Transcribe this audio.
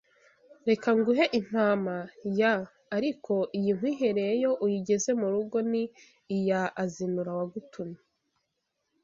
Reka nguhe impama ya ariko iyi nkwihereye yo uyigeze mu rugo ni iya azinura wagutumye